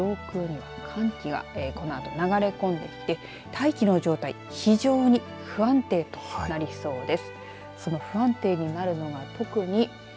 それとともに上空にも寒気がこのあと、流れ込んできて大気の状態、非常に不安定となりそうです。